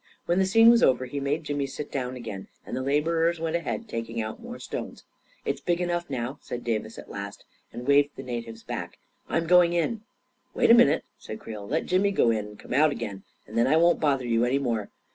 When the scene was over, he made Jimmy sit down again, and the laborers went ahead taking out more stones. " It's big enough now," said Davis, at last, and waved the natives back. " I'm going in." 44 Wait a minute," said Creel. 4< Let Jimmy go in, and come out again, and then I won't bother you any more.